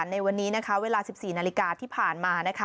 ในวันนี้เวลา๑๔นาฬิกาที่ผ่านมา